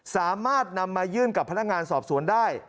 สามารถนำมายื่นกับพนักงานสอบสวนได้